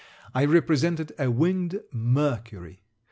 I represented a winged Mercury.